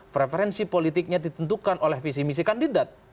preferensi politiknya ditentukan oleh visi misi kandidat